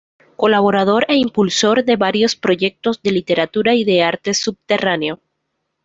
Colaborador e impulsor de varios proyectos de literatura y de arte subterráneo.